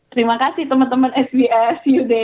terima kasih teman teman sbs